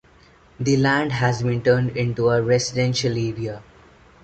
The Land has been turned into a residential area.